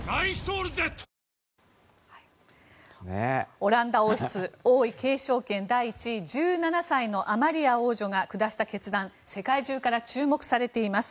オランダ王室王位継承権第１位１７歳のアマリア王女が下した決断が世界中から注目されています。